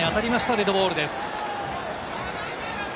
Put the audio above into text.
デッドボールです。